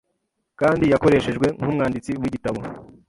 kandi yakoreshejwe nkumwanditsi wigitabo